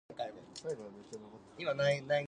裏切ったのはあいつだ